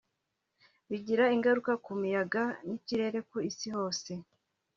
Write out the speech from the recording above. bigira ingaruka ku miyaga n’ikirere ku Isi hose